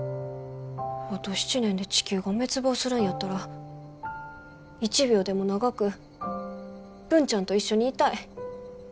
あと７年で地球が滅亡するんやったら一秒でも長く文ちゃんと一緒にいたい。